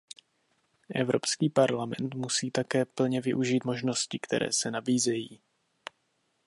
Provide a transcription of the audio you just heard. Evropský parlament musí také plně využít možnosti, které se nabízejí.